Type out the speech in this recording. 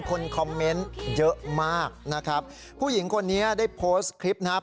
คนคอมเมนต์เยอะมากนะครับผู้หญิงคนนี้ได้โพสต์คลิปนะครับ